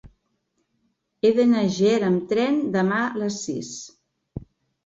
He d'anar a Ger amb tren demà a les sis.